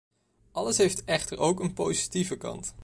Alles heeft echter ook een positieve kant.